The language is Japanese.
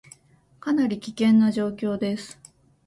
かなり危険な状況です